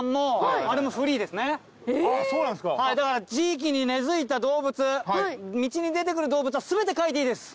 だから地域に根付いた動物道に出てくる動物は全て描いていいです。